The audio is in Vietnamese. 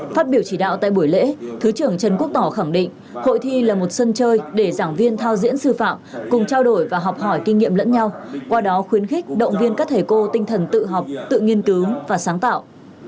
phát biểu chỉ đạo tại buổi lễ thứ trưởng trần quốc tỏ khẳng định hội thi là một sân chơi để giảng viên thao diễn sư phạm cùng trao đổi và học hỏi kinh nghiệm lẫn nhau qua đó khuyến khích động viên các thầy cô tinh thần tự học tự nghiên cứu và sáng tạo